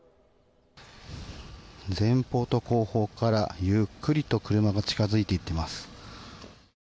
前方と後方からゆっくりと車が近づいていっています。